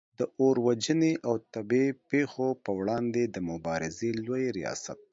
د اور وژنې او طبعې پیښو پر وړاندې د مبارزې لوي ریاست